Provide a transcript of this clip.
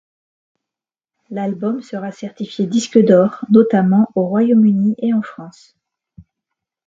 L'album sera certifié disque d'or notamment au Royaume-Uni et en France.